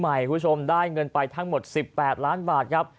คุณผู้ชมได้เงินไปทั้งหมด๑๘ล้านบาทครับ